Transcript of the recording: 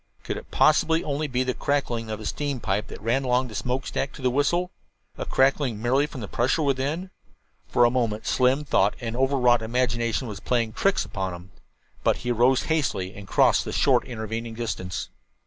Could it possibly be only the crackling of the steam pipe that ran along the smokestack to the whistle a crackling merely from the pressure within? For a moment Slim thought an over wrought imagination was playing tricks upon him. But he rose hastily and crossed the short intervening distance.